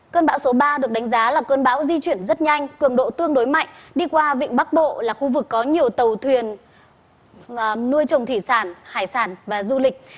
cơn bão số ba được đánh giá là cơn bão di chuyển rất nhanh cường độ tương đối mạnh đi qua vịnh bắc bộ là khu vực có nhiều tàu thuyền nuôi trồng thủy sản hải sản và du lịch